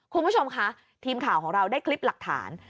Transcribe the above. คุณผู้ชมคะทีมข่าวของเราได้คลิปหลักฐาน